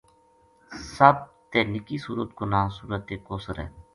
سب تے نکی سورت کو ناں سورۃ کوثر ہے۔